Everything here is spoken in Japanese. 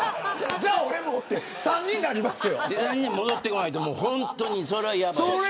じゃあ俺もって３人になりますよ。